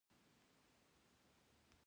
قومندان صايب دغه بنډار ستا لپاره جوړ کړى.